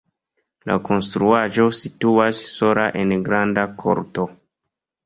La konstruaĵo situas sola en granda korto.